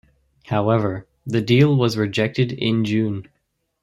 However, the deal was rejected in June.